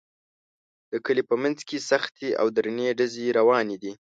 د کلي په منځ کې سختې او درندې ډزې روانې دي